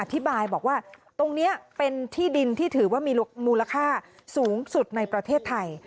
อธิบายบอกว่าตรงนี้เป็นที่ดินที่ถือว่ามีมูลค่าสูงสุดในประเทศไทย